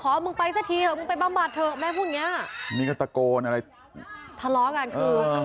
อย่างเฮ่ยไปซะทีนะมึงไปบำบัดเถอะแม่พูดนี้มรึมีตาโกนอะไรทร้อกอะไรก็เอ่อ